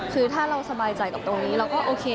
คือถ้าเราสบายใจกับตรงนี้เราก็โอเค